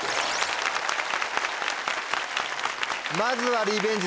まずはリベンジ